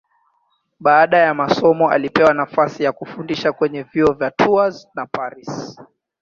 Baada ya masomo alipewa nafasi ya kufundisha kwenye vyuo vya Tours na Paris.